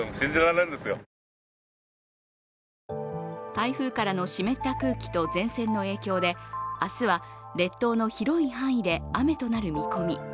台風からの湿った空気と前線の影響で明日は列島の広い範囲で雨となる見込み。